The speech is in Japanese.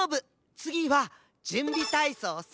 つぎはじゅんびたいそうさ。